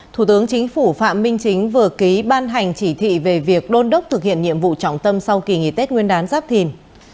thủ tướng chính phủ phạm minh chính vừa ký ban hành chỉ thị về việc đôn đốc thực hiện nhiệm vụ trọng tâm sau kỳ nghỉ tết nguyên đán giáp thìn